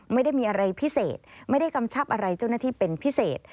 ไม่ได้มีอะไรพิเศษไม่ได้กำชับอะไรเจ้าหน้าที่เป็นพิเศษ